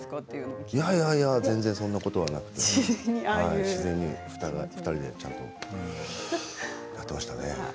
全然そんなことはなくて自然に２人でちゃんとやっていましたね。